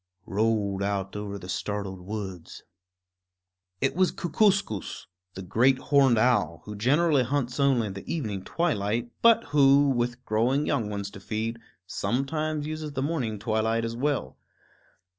_ rolled out over the startled woods. It was Kookooskoos, the great horned owl, who generally hunts only in the evening twilight, but who, with growing young ones to feed, sometimes uses the morning twilight as well.